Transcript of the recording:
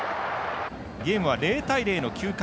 ゲームは０対０の９回。